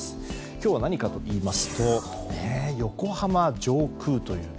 今日は何かといいますと横浜上空という。